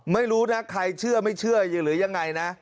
ไม่รู้นะใครเชื่อไม่เชื่อหรือยังไงนะ